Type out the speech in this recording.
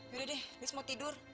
yudah deh lihs mau tidur